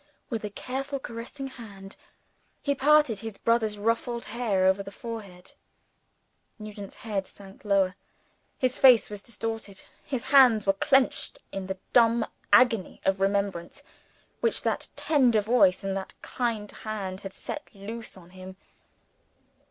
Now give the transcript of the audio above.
With careful, caressing hand, he parted his brother's ruffled hair over the forehead. Nugent's head sank lower. His face was distorted, his hands were clenched, in the dumb agony of remembrance which that tender voice and that kind hand had set loose in him.